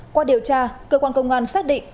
qua điều tra cơ quan công an xác định